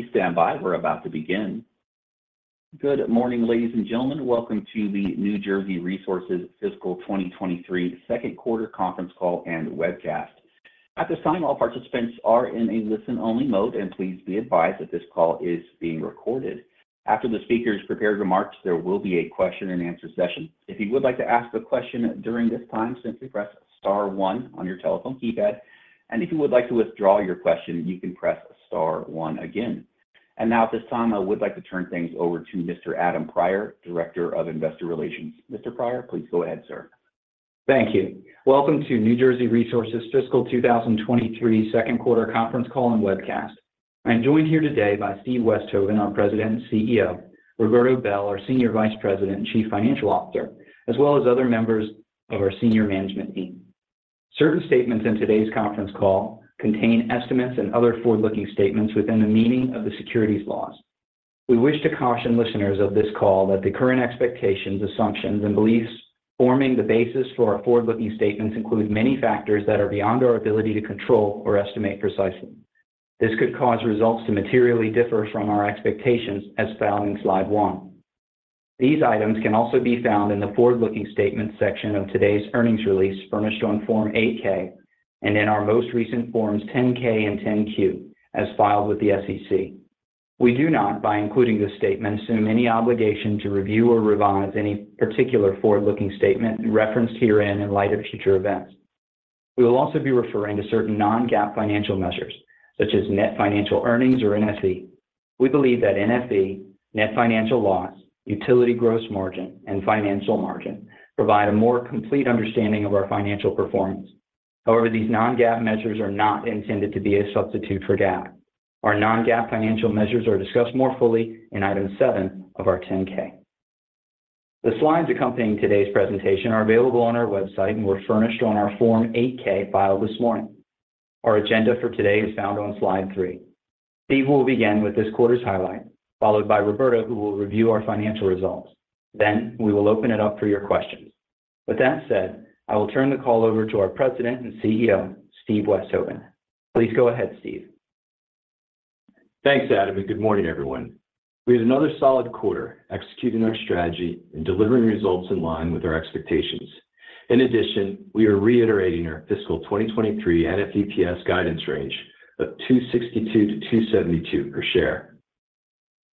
Please stand by. We're about to begin. Good morning, ladies and gentlemen. Welcome to the New Jersey Resources Fiscal 2023 second quarter conference call and webcast. At this time, all participants are in a listen-only mode, and please be advised that this call is being recorded. After the speakers' prepared remarks, there will be a question and answer session. If you would like to ask a question during this time, simply press star one on your telephone keypad. If you would like to withdraw your question, you can press star one again. Now, at this time, I would like to turn things over to Mr. Adam Prior, Director of Investor Relations. Mr. Prior, please go ahead, sir. Thank you. Welcome to New Jersey Resources Fiscal 2023 second quarter conference call and webcast. I'm joined here today by Stephen Westhoven, our President and CEO, Roberto Bel, our Senior Vice President and Chief Financial Officer, as well as other members of our senior management team. Certain statements in today's conference call contain estimates and other forward-looking statements within the meaning of the securities laws. We wish to caution listeners of this call that the current expectations, assumptions, and beliefs forming the basis for our forward-looking statements include many factors that are beyond our ability to control or estimate precisely. This could cause results to materially differ from our expectations as found in slide one. These items can also be found in the forward-looking statement section of today's earnings release furnished on Form 8-K and in our most recent Forms 10-K and 10-Q as filed with the SEC. We do not, by including this statement, assume any obligation to review or revise any particular forward-looking statement referenced herein in light of future events. We will also be referring to certain non-GAAP financial measures, such as Net Financial Earnings or NFE. We believe that NFE, Net Financial Loss, Utility Gross Margin, and Financial Margin provide a more complete understanding of our financial performance. However, these non-GAAP measures are not intended to be a substitute for GAAP. Our non-GAAP financial measures are discussed more fully in item seven of our Form 10-K. The slides accompanying today's presentation are available on our website and were furnished on our Form 8-K filed this morning. Our agenda for today is found on slide three. Steve will begin with this quarter's highlight, followed by Roberto, who will review our financial results. We will open it up for your questions. With that said, I will turn the call over to our President and CEO, Steve Westhoven. Please go ahead, Steve. Thanks, Adam. Good morning, everyone. We had another solid quarter executing our strategy and delivering results in line with our expectations. In addition, we are reiterating our fiscal 2023 NFEPS guidance range of $2.62-$2.72 per share.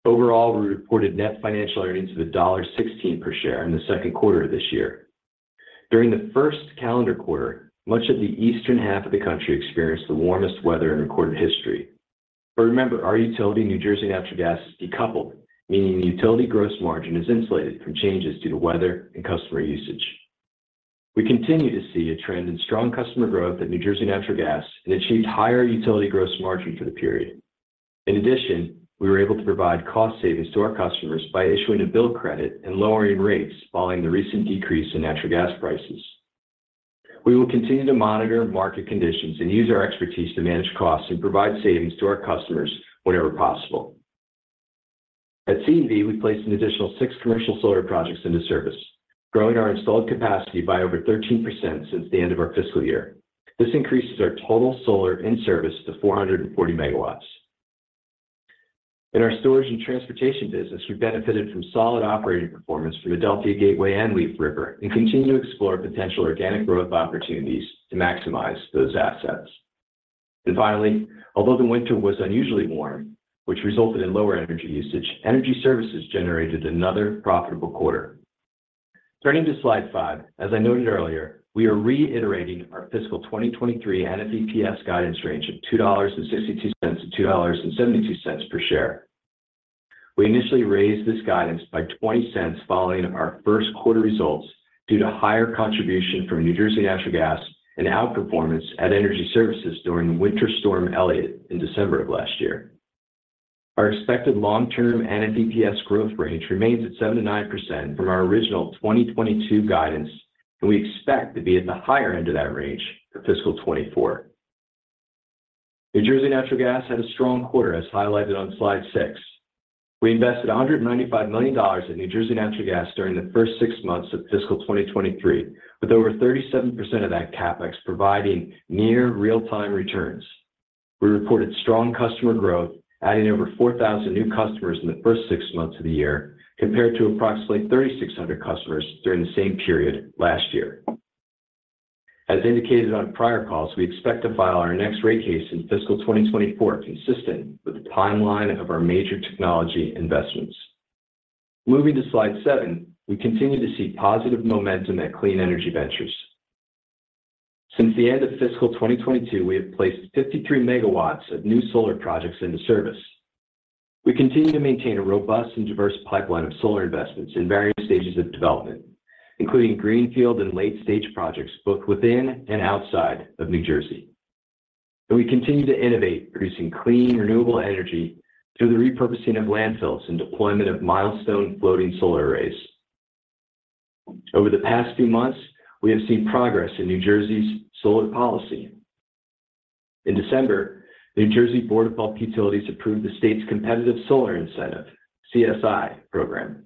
Overall, we reported Net Financial Earnings of $1.16 per share in the second quarter of this year. During the first calendar quarter, much of the eastern half of the country experienced the warmest weather in recorded history. Remember, our utility, New Jersey Natural Gas, is decoupled, meaning the Utility Gross Margin is insulated from changes due to weather and customer usage. We continue to see a trend in strong customer growth at New Jersey Natural Gas and achieved higher Utility Gross Margin for the period. In addition, we were able to provide cost savings to our customers by issuing a bill credit and lowering rates following the recent decrease in natural gas prices. We will continue to monitor market conditions and use our expertise to manage costs and provide savings to our customers whenever possible. At CEV, we placed an additional 6 commercial solar projects into service, growing our installed capacity by over 13% since the end of our fiscal year. This increases our total solar in service to 440 megawatts. In our Storage and Transportation business, we've benefited from solid operating performance from Adelphia Gateway and Leaf River and continue to explore potential organic growth opportunities to maximize those assets. Finally, although the winter was unusually warm, which resulted in lower energy usage, energy services generated another profitable quarter. Turning to slide five, as I noted earlier, we are reiterating our fiscal 2023 NFEPS guidance range of $2.62 to $2.72 per share. We initially raised this guidance by $0.20 following our first quarter results due to higher contribution from New Jersey Natural Gas and outperformance at Energy Services during Winter Storm Elliott in December of last year. Our expected long-term NFEPS growth range remains at 7%-9% from our original 2022 guidance, and we expect to be at the higher end of that range for fiscal 2024. New Jersey Natural Gas had a strong quarter, as highlighted on slide six. We invested $195 million in New Jersey Natural Gas during the first six months of fiscal 2023, with over 37% of that CapEx providing near real-time returns. We reported strong customer growth, adding over 4,000 new customers in the first six months of the year, compared to approximately 3,600 customers during the same period last year. As indicated on prior calls, we expect to file our next rate case in fiscal 2024, consistent with the timeline of our major technology investments. Moving to slide seven, we continue to see positive momentum at Clean Energy Ventures. Since the end of fiscal 2022, we have placed 53 MW of new solar projects into service. We continue to maintain a robust and diverse pipeline of solar investments in various stages of development, including greenfield and late-stage projects both within and outside of New Jersey. We continue to innovate, producing clean, renewable energy through the repurposing of landfills and deployment of milestone floating solar arrays. Over the past few months, we have seen progress in New Jersey's solar policy. In December, New Jersey Board of Public Utilities approved the state's competitive solar incentive, CSI Program,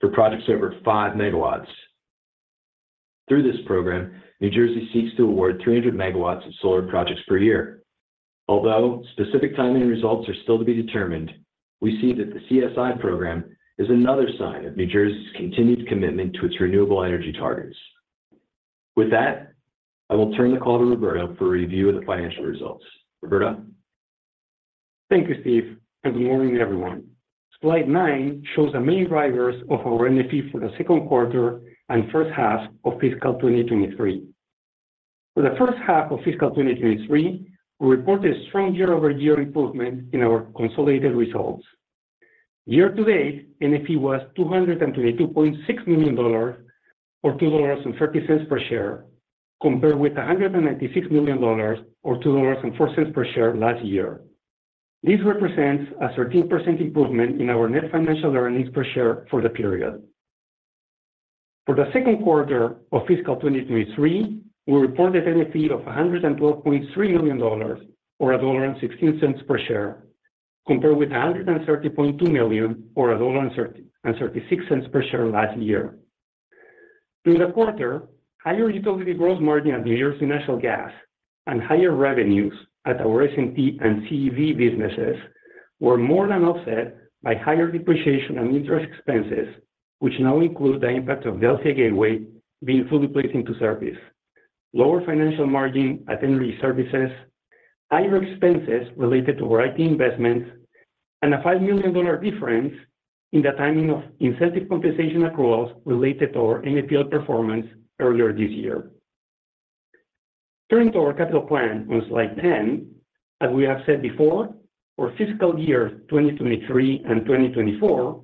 for projects over 5 megawatts. Through this program, New Jersey seeks to award 300 megawatts of solar projects per year. Although specific timing results are still to be determined, we see that the CSI Program is another sign of New Jersey's continued commitment to its renewable energy targets. With that, I will turn the call to Roberto for a review of the financial results. Roberto. Thank you, Steve. Good morning, everyone. Slide nine shows the main drivers of our NFE for the second quarter and first half of fiscal 2023. For the first half of fiscal 2023, we reported strong year-over-year improvement in our consolidated results. Year to date, NFE was $222.6 million, or $2.30 per share, compared with $196 million, or $2.04 per share last year. This represents a 13% improvement in our NFEPS for the period. For the second quarter of fiscal 2023, we reported NFE of $112.3 million, or $1.16 per share, compared with $130.2 million, or $1.36 per share last year. During the quarter, higher Utility Gross Margin at New Jersey Natural Gas and higher revenues at our S&T and CEV businesses were more than offset by higher depreciation and interest expenses, which now include the impact of Delta Gateway being fully placed into service. Lower Financial Margin at Energy Services, higher expenses related to parent investments, and a $5 million difference in the timing of incentive compensation accruals related to our NFE performance earlier this year. Turning to our capital plan on slide 10, as we have said before, for fiscal year 2023 and 2024,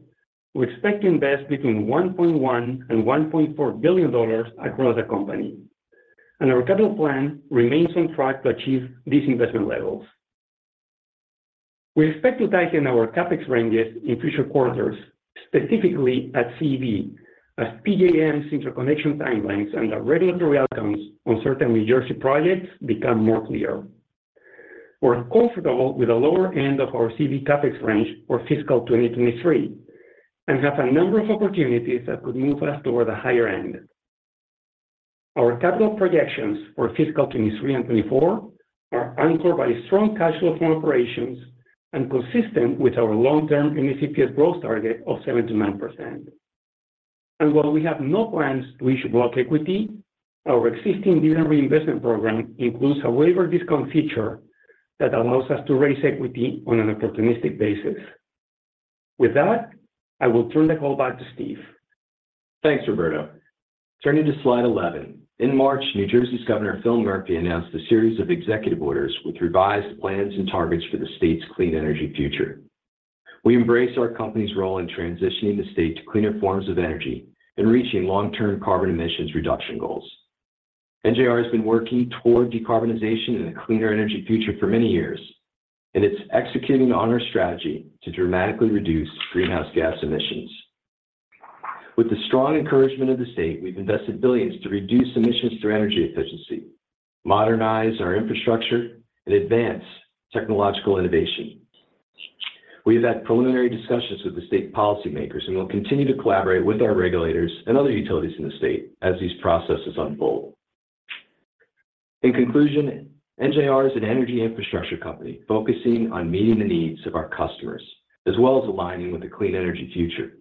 we expect to invest between $1.1 billion and $1.4 billion across the company. Our capital plan remains on track to achieve these investment levels. We expect to tighten our CapEx ranges in future quarters, specifically at CEV, as PJM's interconnection timelines and the regulatory outcomes on certain New Jersey projects become more clear. We're comfortable with the lower end of our CEV CapEx range for fiscal 2023 and have a number of opportunities that could move us toward the higher end. Our capital projections for fiscal 2023 and 2024 are anchored by strong cash flow from operations and consistent with our long-term NFEPS growth target of 7%-9%. While we have no plans to issue block equity, our existing dividend reinvestment program includes a waiver discount feature that allows us to raise equity on an opportunistic basis. With that, I will turn the call back to Steve. Thanks, Roberto. Turning to slide 11. In March, New Jersey's Governor Phil Murphy announced a series of executive orders with revised plans and targets for the state's clean energy future. We embrace our company's role in transitioning the state to cleaner forms of energy and reaching long-term carbon emissions reduction goals. NJR has been working toward decarbonization and a cleaner energy future for many years, and it's executing on our strategy to dramatically reduce greenhouse gas emissions. With the strong encouragement of the state, we've invested billions to reduce emissions through energy efficiency, modernize our infrastructure, and advance technological innovation. We've had preliminary discussions with the state policymakers, and we'll continue to collaborate with our regulators and other utilities in the state as these processes unfold. In conclusion, NJR is an energy infrastructure company focusing on meeting the needs of our customers, as well as aligning with a clean energy future.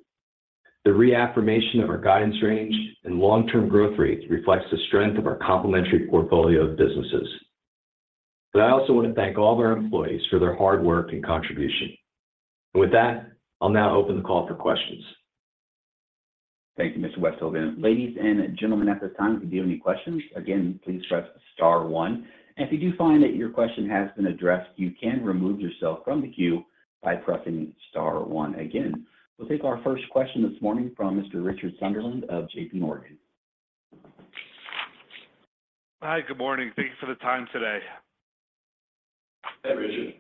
The reaffirmation of our guidance range and long-term growth rate reflects the strength of our complementary portfolio of businesses. I also want to thank all of our employees for their hard work and contribution. With that, I'll now open the call for questions. Thank you, Mr. Westhoven. Ladies and gentlemen, at this time, if you do have any questions, again, please press star one. If you do find that your question has been addressed, you can remove yourself from the queue by pressing star one again. We'll take our first question this morning from Mr. Richard Sunderland of J.P. Morgan. Hi, good morning. Thank you for the time today. Hi, Richard.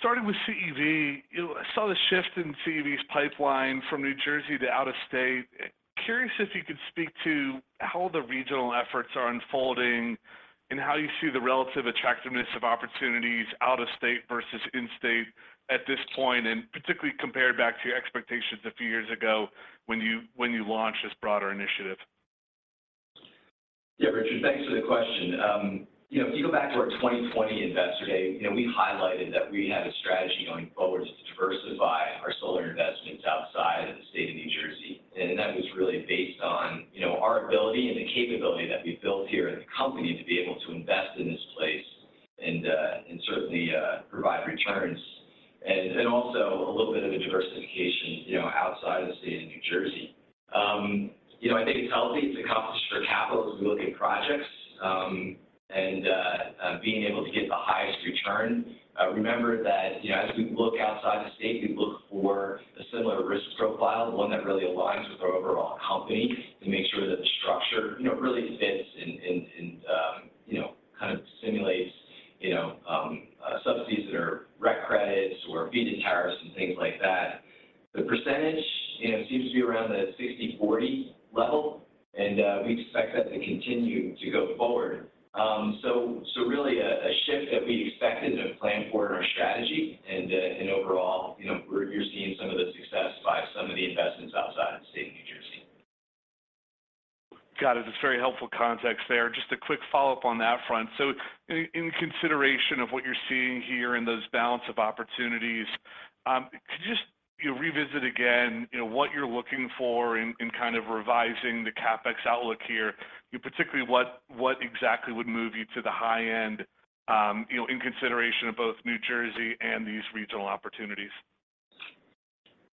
Starting with CEV, you know, I saw the shift in CEV's pipeline from New Jersey to out-of-state. Curious if you could speak to how the regional efforts are unfolding and how you see the relative attractiveness of opportunities out-of-state versus in-state at this point, and particularly compared back to your expectations a few years ago when you launched this broader initiative? Yeah, Richard, thanks for the question. you know, if you go back to our 2020 Investor Day, you know, we highlighted that we had a strategy going forward to diversify our solar investments outside of the state of New Jersey. That was really based on, you know, our ability and the capability that we've built here as a company to be able to invest in this place and certainly provide returns. also a little bit of a diversification, you know, outside of the state of New Jersey. you know, I think it's healthy. It's accomplished for capital as we look at projects and being able to get the highest return. remember that, you know, as we look outside the state, we look for a similar risk profile, one that really aligns with our overall company to make sure that the structure, you know, really fits and, you know, kind of simulates, you know, subsidies that are REC credits or Feed-in Tariffs and things like that. The percentage, you know, seems to be around the 60/40 level. We expect that to continue to go forward. Really a shift that we expected and planned for in our strategy and overall, you're seeing some of the success by some of the investments outside the state of New Jersey. Got it. That's very helpful context there. Just a quick follow-up on that front. In consideration of what you're seeing here and those balance of opportunities, could you just, you know, revisit again, you know, what you're looking for in kind of revising the CapEx outlook here? Particularly what exactly would move you to the high end, you know, in consideration of both New Jersey and these regional opportunities?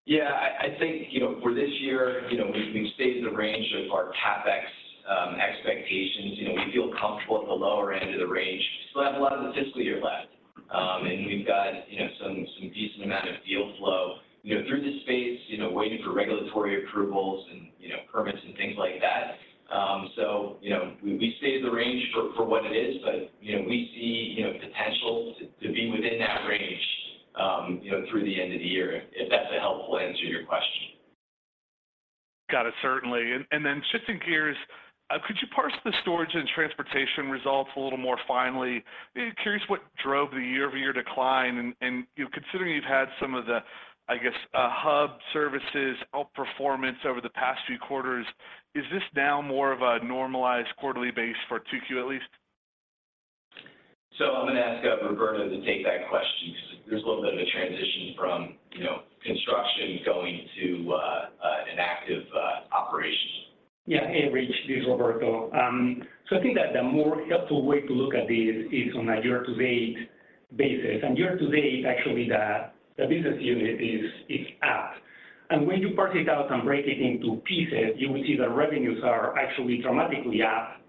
Yeah. I think, you know, for this year, you know, we've stayed in the range of our CapEx expectations. You know, we feel comfortable at the lower end of the range. Still have a lot of the fiscal year left. We've got, you know, some decent amount of deal flow, you know, through this space, you know, waiting for regulatory approvals and, you know, permits and things like that. You know, we stayed the range for what it is. You know, we see potential to be within that range, you know, through the end of the year, if that's a helpful answer to your question. Got it. Certainly. Then shifting gears, could you parse the Storage and Transportation results a little more finely? Curious what drove the year-over-year decline and, you know, considering you've had some of the, I guess, hub services outperformance over the past few quarters, is this now more of a normalized quarterly base for two Q at least? I'm gonna ask Roberto to take that question because there's a little bit of a transition from, you know, construction going to an active operation. Hey, Rich. This is Roberto. I think that the more helpful way to look at this is on a year-to-date basis. Year-to-date, actually the business unit is up. When you parse it out and break it into pieces, you will see the revenues are actually dramatically up.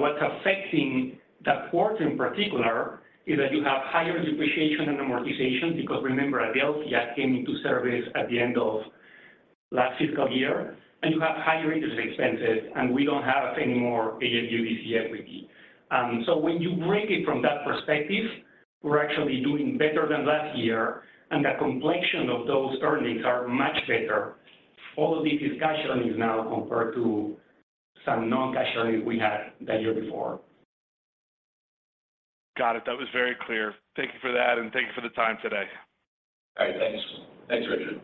What's affecting that quarter in particular is that you have higher depreciation and amortization because remember Adelphia came into service at the end of last fiscal year, and you have higher interest expenses, and we don't have any more paid AFUDC equity. When you break it from that perspective, we're actually doing better than last year, and the complexion of those earnings are much better. All of these discussions now compared to some non-cash earnings we had the year before. Got it. That was very clear. Thank you for that, and thank you for the time today. All right. Thanks. Thanks, Richard.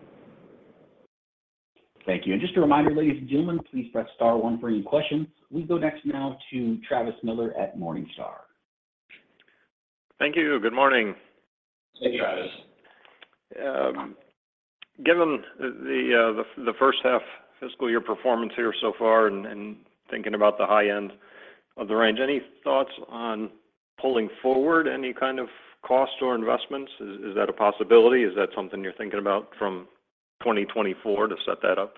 Thank you. Just a reminder, ladies and gentlemen, please press star one for any questions. We go next now to Travis Miller at Morningstar. Thank you. Good morning. Hey, Travis. Given the first half fiscal year performance here so far and thinking about the high end of the range, any thoughts on pulling forward any kind of cost or investments? Is that a possibility? Is that something you're thinking about from 2024 to set that up?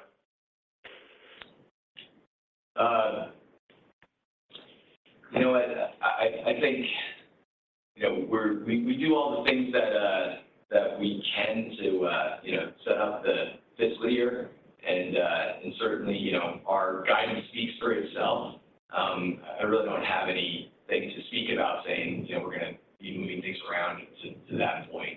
You know what? I think, you know, we do all the things that we can to, you know, set up the fiscal year. Certainly, you know, our guidance speaks for itself. I really don't have anything to speak about saying, you know, we're gonna be moving things around to that point.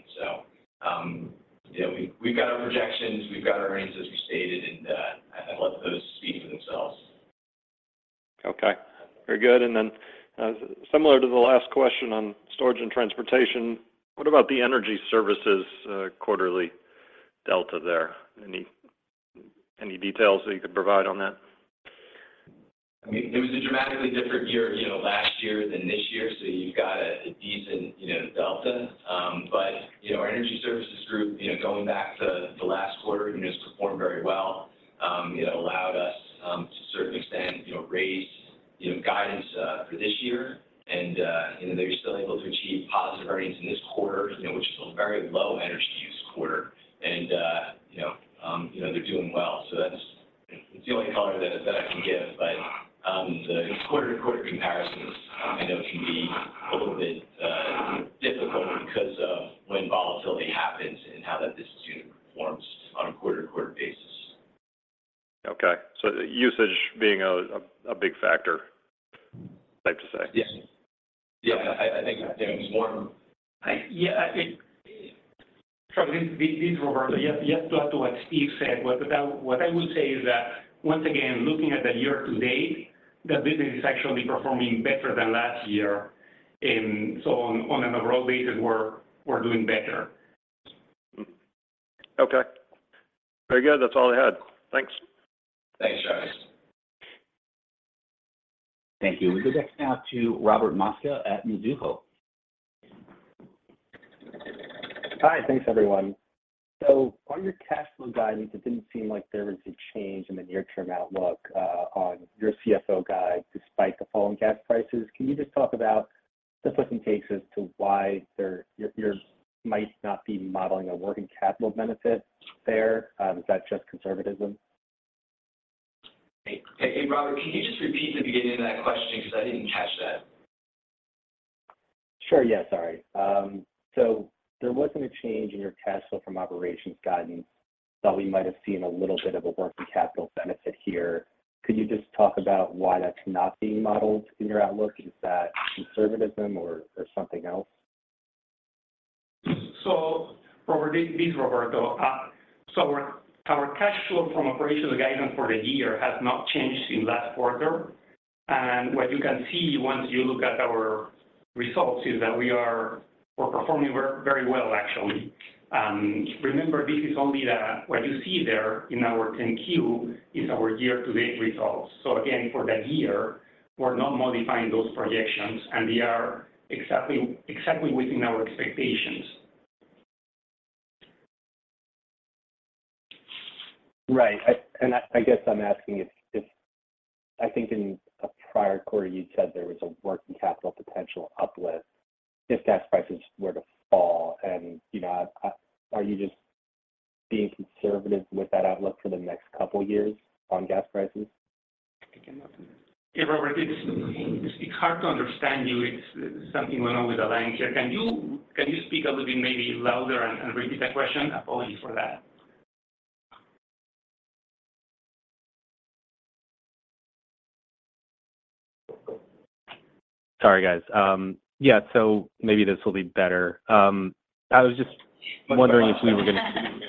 You know, we've got our projections, we've got our earnings as we stated, and I let those speak for themselves. Okay. Very good. Similar to the last question on Storage and Transportation, what about the Energy Services quarterly delta there? Any details that you could provide on that? I mean, it was a dramatically different year, you know, last year than this year, you've got a decent, you know, delta. You know, our Energy Services group, you know, going back to the last quarter, you know, it's performed very well. It allowed us to a certain extent, you know, raise, you know, guidance for this year. They're still able to achieve positive earnings in this quarter, you know, which is a very low energy use quarter. You know, you know, they're doing well. It's the only color that I can give. The quarter-to-quarter comparisons I know can be a little bit difficult because of when volatility happens and how that this unit performs on a quarter-to-quarter basis. Okay. usage being a big factor, safe to say? Yes. Yeah. I think there was more- Yeah. Travis, this is Roberto. Yes, to add to what Steve said. What I would say is that, once again, looking at the year-to-date, the business is actually performing better than last year. On an overall basis, we're doing better. Okay. Very good. That's all I had. Thanks. Thanks, Travis. Thank you. We go next now to Robert Mosca at Mizuho. Hi. Thanks, everyone. On your cash flow guidance, it didn't seem like there was a change in the near-term outlook, on your CFO guide despite the fall in gas prices. Can you just talk about the gives and takes as to why you're not modeling a working capital benefit there? Is that just conservatism? Hey, hey, Robert, can you just repeat the beginning of that question? I didn't catch that. Sure. Yeah. Sorry. There wasn't a change in your cash flow from operations guidance, though we might have seen a little bit of a working capital benefit here. Could you just talk about why that's not being modeled in your outlook? Is that conservatism or something else? Robert, this is Roberto. Our cash flow from operational guidance for the year has not changed in last quarter. What you can see once you look at our results is that we're performing very, very well actually. Remember what you see there in our 10-Q is our year-to-date results. Again, for the year, we're not modifying those projections, and we are exactly within our expectations. Right. I guess I'm asking if I think in a prior quarter you'd said there was a working capital potential uplift if gas prices were to fall and, you know, are you just being conservative with that outlook for the next couple years on gas prices? Hey, Robert. It's hard to understand you. It's something wrong with the line here. Can you speak a little bit maybe louder and repeat that question? Apology for that. Sorry, guys. Yeah. Maybe this will be better. I was just wondering if we were. Much better.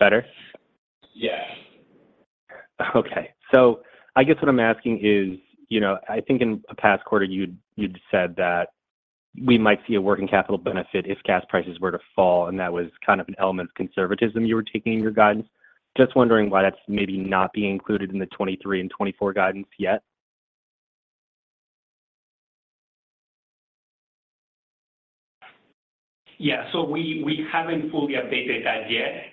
Better? Yeah. I guess what I'm asking is, you know, I think in a past quarter you'd said that we might see a working capital benefit if gas prices were to fall, and that was kind of an element of conservatism you were taking in your guidance. Just wondering why that's maybe not being included in the 23 and 24 guidance yet? Yeah. We haven't fully updated that yet.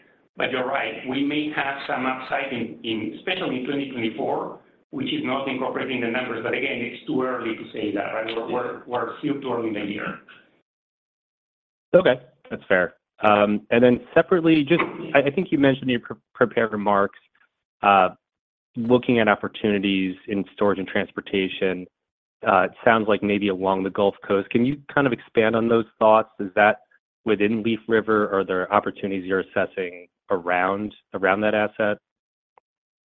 You're right, we may have some upside in especially in 2024, which is not incorporating the numbers. Again, it's too early to say that, right? We're still too early in the year. Okay. That's fair. Separately, just I think you mentioned in your pre-prepared remarks, looking at opportunities in Storage and Transportation, it sounds like maybe along the Gulf Coast. Can you kind of expand on those thoughts? Is that within Leaf River? Are there opportunities you're assessing around that asset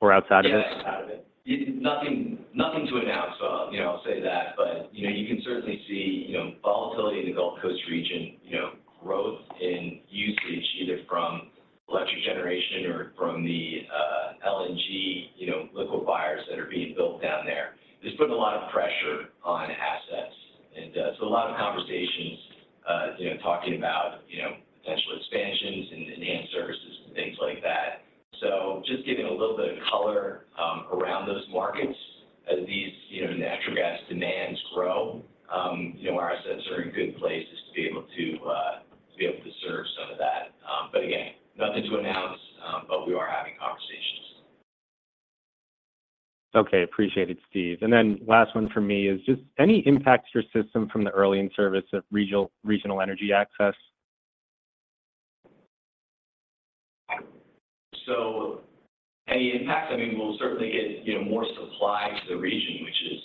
or outside of it? Yeah. Outside of it. Nothing to announce, you know, I'll say that. You know, you can certainly see, you know, volatility in the Gulf Coast region, you know, growth in usage either from electric generation or from the LNG, you know, liquefiers that are being built down there. It's putting a lot of pressure on assets. A lot of conversations, you know, talking about, you know, potential expansions and enhanced services and things like that. Just giving a little bit of color around those markets as these, you know, natural gas demands grow. You know, our assets are in good places to be able to serve some of that. Again, nothing to announce. We are having conversations. Okay. Appreciate it, Steve. Last one from me is just any impacts to your system from the early in-service of Regional Energy Access? Any impacts, I mean, we'll certainly get, you know, more supply to the region, which is,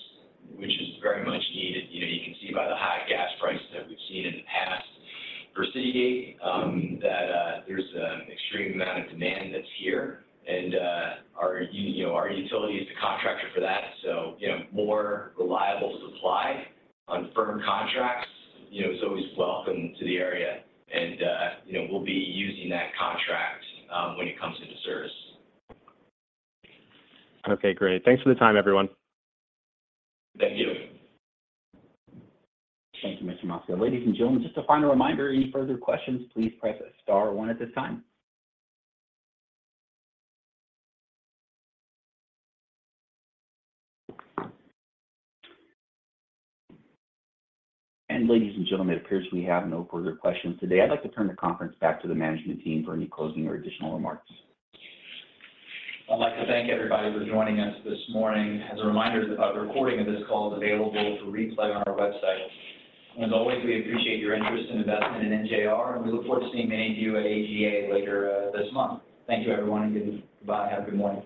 which is very much needed. You know, you can see by the high gas prices that we've seen in the past. For CityGate, that there's an extreme amount of demand that's here and, you know, our utility is the contractor for that. More reliable supply on firm contracts, you know, is always welcome to the area and, you know, we'll be using that contract when it comes into service. Okay. Great. Thanks for the time, everyone. Thank you. Thank you, Mr. Mosca. Ladies and gentlemen, just a final reminder, any further questions, please press star one at this time. Ladies and gentlemen, it appears we have no further questions today. I'd like to turn the conference back to the management team for any closing or additional remarks. I'd like to thank everybody for joining us this morning. As a reminder, a recording of this call is available for replay on our website. As always, we appreciate your interest and investment in NJR, and we look forward to seeing many of you at AGA later this month. Thank you, everyone, and goodbye. Have a good morning.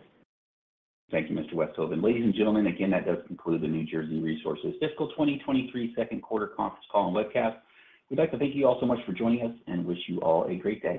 Thank you, Mr. Westhoven. Ladies and gentlemen, again, that does conclude the New Jersey Resources Fiscal 2023 second quarter conference call and webcast. We'd like to thank you all so much for joining us and wish you all a great day.